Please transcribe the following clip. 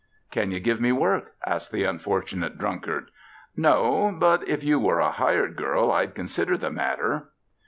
"Can you give me work?" asked the unfortunate drunkard. "No! But if you were a hired girl, I'd consider the matter."